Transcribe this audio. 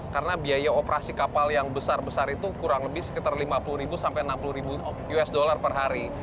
karena biaya operasi kapal yang besar besar itu kurang lebih sekitar lima puluh ribu sampai enam puluh ribu usd per hari